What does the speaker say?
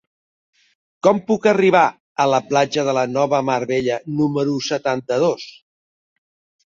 Com puc arribar a la platja de la Nova Mar Bella número setanta-dos?